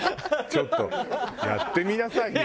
ちょっとやってみなさいよ。